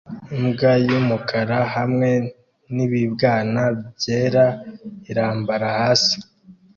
Imbwa y'umukara hamwe n'ibibwana byera irambaraye hasi